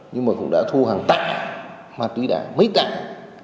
nhưng mà cũng đã thu hàng tặng ma túy đá mấy tặng